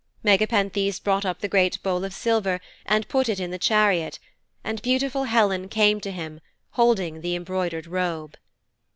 Megapenthes brought up the great bowl of silver and put it in the chariot, and beautiful Helen came to him holding the embroidered robe.